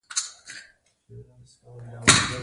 بګرام د لرغونو اثارو خزانه وه